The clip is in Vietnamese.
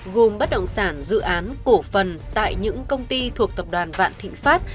gồm bất động sản dự án cổ phần tại những công ty thuộc tập đoàn vạn thịnh pháp